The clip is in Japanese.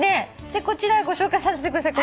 こちらご紹介させてください。